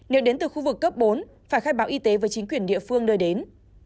nếu đến từ khu vực cấp bốn phải khai báo y tế với chính quyền địa phương nơi đến